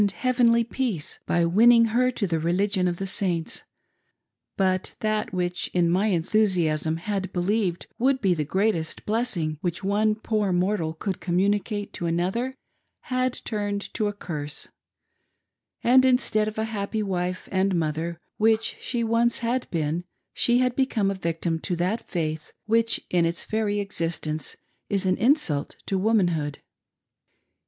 heavenly peace by winning her to the religion of the Saints, but that which I in my enthusiasm had believed would be the greateJst blessing which one poor mortal could communicate to another, had turned to a curse, and instead of the happy wife and mother which she once had beeh, she had become a victim to that faith which in its very exist ence is an insult to womanhood.